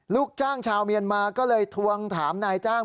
ลูกจ้างชาวเมียนมาก็เลยทวงถามนายจ้าง